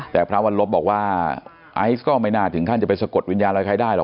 แต่พระวันลบบอกว่าไอซ์ก็ไม่น่าถึงขั้นจะไปสะกดวิญญาณอะไรใครได้หรอ